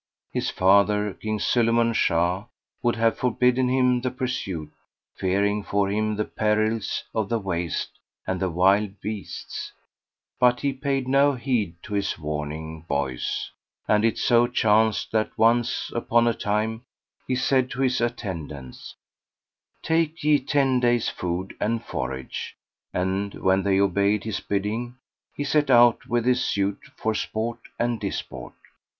His father, King Sulayman Shah, would have forbidden him the pursuit fearing for him the perils of the waste and the wild beasts; but he paid no heed to his warning voice. And it so chanced that once upon a time he said to his attendants "Take ye ten days food and forage;" and, when they obeyed his bidding, he set out with his suite for sport and disport.